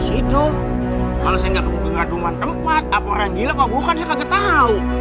nuh kalau saya nggak kebun bunan tempat apa orang gila kok bukan saya kaget tau